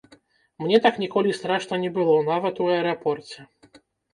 Мне так ніколі страшна не было, нават у аэрапорце.